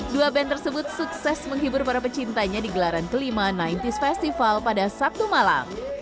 dua band tersebut sukses menghibur para pecintanya di gelaran kelima sembilan puluh festival pada sabtu malam